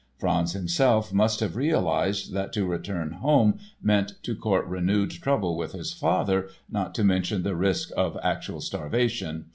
Franz himself must have realized that to return home meant to court renewed trouble with his father, not to mention the risk of actual starvation.